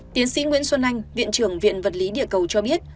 tiến sĩ nguyễn xuân anh viện trưởng viện vật lý địa cầu cho biết